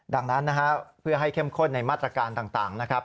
ดังนั้นนะฮะเพื่อให้เข้มข้นในมาตรการต่างนะครับ